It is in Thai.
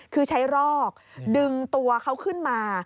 คือใช้รอกดึงตัวเขาขึ้นมา